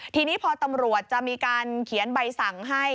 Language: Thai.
ทีนี้พอตำรวจจะมีการเขียนใบสั่งให้